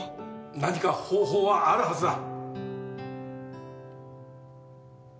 何か方法はあるはずだ。